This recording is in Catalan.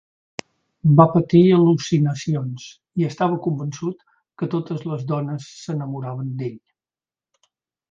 Va patir al·lucinacions i estava convençut que totes les dones s'enamoraven d'ell.